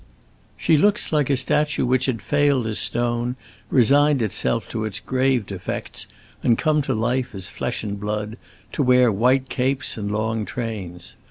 She looks like a statue which had failed as stone, resigned itself to its grave defects, and come to life as flesh and blood, to wear white capes and long trains.